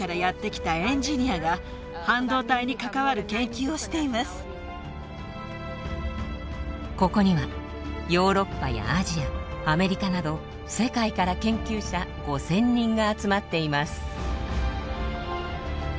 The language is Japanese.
ｉｍｅｃではここにはヨーロッパやアジアアメリカなど世界から研究者５，０００人が集まっています。